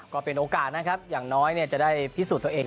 ก็เป็นโอกาสนะครับอย่างน้อยจะได้พิสูจน์ตัวเอง